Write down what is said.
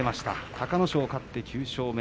隆の勝勝って９勝目。